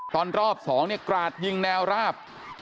ตอนรอบสองกราดยิงแนวราบ